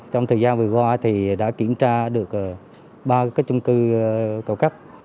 trong thời gian vừa qua thì đã kiểm tra được ba cái chung cư cao cấp